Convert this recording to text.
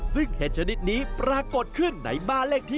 ซึ่งเห็ดชนิดนี้ปรากฏขึ้นในบ้านเลขที่